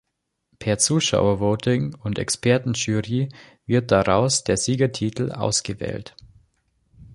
Per Zuschauervoting und Expertenjury wird daraus der Siegertitel ausgewählt.